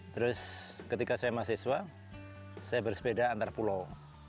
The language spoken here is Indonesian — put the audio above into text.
terus ketika saya mahasiswa saya bersepeda antar pulau